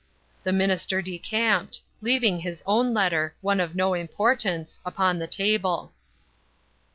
The minister decamped; leaving his own letter—one of no importance—upon the table."